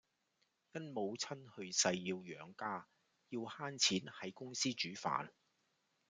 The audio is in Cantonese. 因母親去世要養家，要慳錢喺公司煮飯